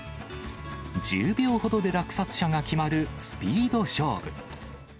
１０秒ほどで落札者が決まるスピード勝負。